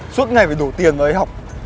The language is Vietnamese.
suốt ngày phải đổ tiền rồi đi học